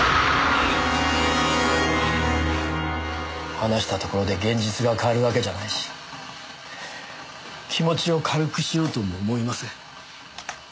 話したところで現実が変わるわけじゃないし気持ちを軽くしようとも思いません。